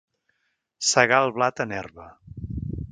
Segà el blat en herba.